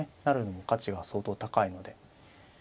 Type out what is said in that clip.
成るのも価値が相当高いので。